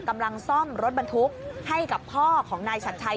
กำลังซ่อมรถบรรทุกให้กับพ่อของนายชัดชัย